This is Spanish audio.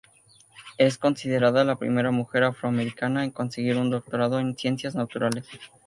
Es considerada la primera mujer afro-americana en conseguir un Doctorado en Ciencias Naturales.